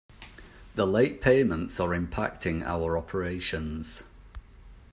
The late payments are impacting our operations.